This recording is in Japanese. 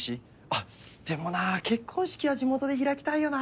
あっでもな結婚式は地元で開きたいよな。